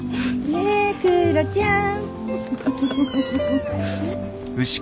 ねクロちゃん。